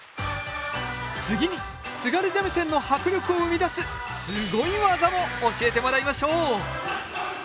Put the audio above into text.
次に津軽三味線の迫力を生み出すすごい技も教えてもらいましょう！